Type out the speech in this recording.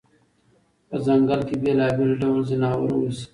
په ځنګل کې بېلابېل ډول ځناور اوسي.